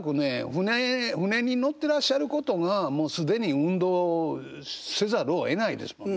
船に乗ってらっしゃることがもう既に運動せざるをえないですもんね。